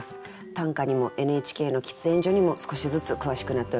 短歌にもＮＨＫの喫煙所にも少しずつ詳しくなっております。